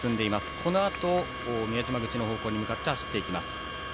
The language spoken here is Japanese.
このあと宮島口方向に向かって走っていきます。